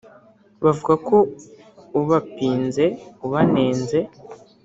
bavuga ko ubapinze ubanenze